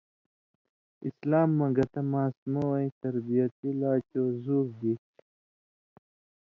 اسلام مہ گتہ ماسمہ وَیں تربیتی لا چو زُور دیچھی۔